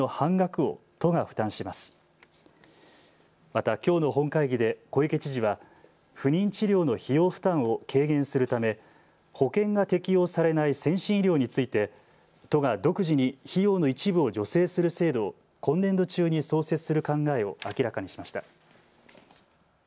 またきょうの本会議で小池知事は不妊治療の費用負担を軽減するため保険が適用されない先進医療について都が独自に費用の一部を助成する制度を今年度中に創設する考えを明らかにしました。